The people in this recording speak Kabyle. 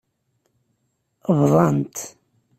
Bḍant.